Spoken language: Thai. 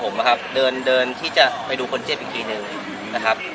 ผมนะครับเดินเดินที่จะไปดูคนเจ็บอีกทีหนึ่งนะครับ